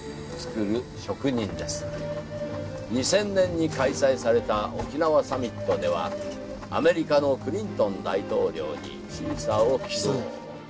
２０００年に開催された沖縄サミットではアメリカのクリントン大統領にシーサーを寄贈。